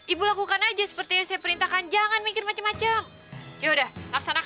ibu lakukan aja sepertinya saya perintahkan jangan mikir macem maceng